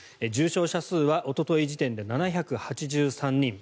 重症者数はおととい時点で７８３人。